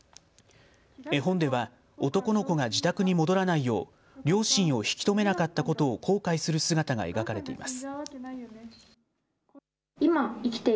絵本では男の子が自宅に戻らないよう両親を引き止めなかったことを後悔する姿が描かれています。